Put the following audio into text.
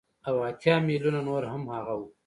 او اتيا ميليونه نور هغه وو.